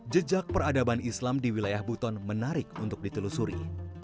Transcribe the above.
jejak peradaban islam di wilayah buton menarik untuk ditelusuri